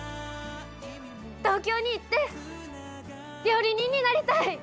東京に行って料理人になりたい！